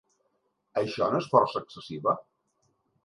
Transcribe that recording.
Això no és força excessiva?